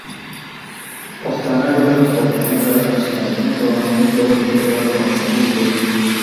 پښتنه ټولنه پښتنه ده، چې نارینه په عمومي ډول ډیر واک او نفوذ لري.